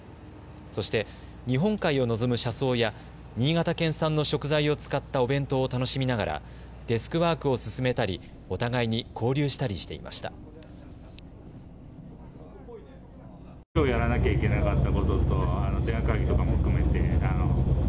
そして日本海を臨む車窓や新潟県産の食材を使ったお弁当を楽しみながらデスクワークを進めたりお互いに交流したりしていました。